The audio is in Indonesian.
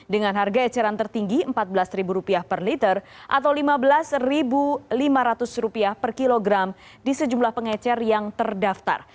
dengan harga eceran tertinggi rp empat belas per liter atau rp lima belas lima ratus per kilogram di sejumlah pengecer yang terdaftar